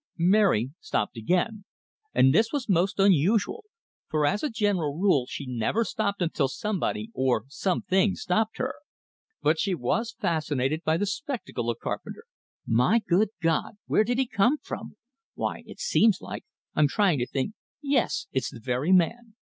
Mary stopped again; and this was most unusual, for as a general rule she never stopped until somebody or something stopped her. But she was fascinated by the spectacle of Carpenter. "My good God! Where did he come from? Why, it seems like I'm trying to think yes, it's the very man!